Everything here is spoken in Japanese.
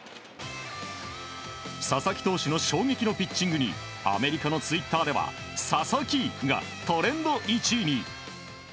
佐々木投手の衝撃のピッチングにアメリカのツイッターでは「Ｓａｓａｋｉ」がトレンド１位に。